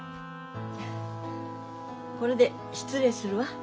これで失礼するわ。